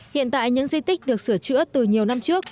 hiện tại những di tích được sửa chữa từ nhiều năm trước